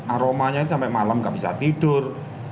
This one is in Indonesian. aromanya itu sampai malam gak bisa tidur